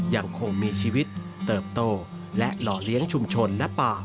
ยังคงมีชีวิตเติบโตและหล่อเลี้ยงชุมชนและป่า